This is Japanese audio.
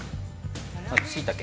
しいたけ。